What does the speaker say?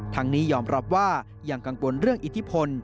นี้ยอมรับว่ายังกังวลเรื่องอิทธิพล